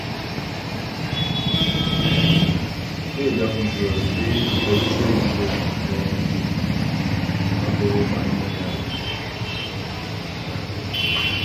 É dəŋdzə dé tə́ jyə̂ yə ghom yé á bə wə́ ma'nyə é áa.